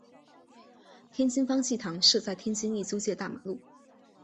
天津方济堂设在天津意租界大马路。